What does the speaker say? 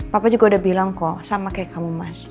papa juga udah bilang kok sama kayak kamu mas